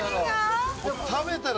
食べたら。